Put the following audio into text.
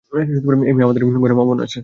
এই মেয়ে, আমাদের ঘরে মা-বোন আছে।